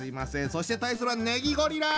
そして対するはネギゴリラ！